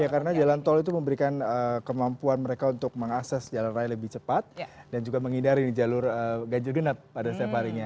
karena jalan tol itu memberikan kemampuan mereka untuk mengakses jalan raya lebih cepat dan juga menghindari jalur ganjil genap pada setiap harinya